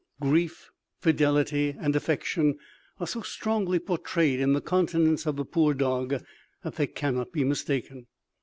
Grief, fidelity, and affection are so strongly portrayed in the countenance of the poor dog, that they cannot be mistaken.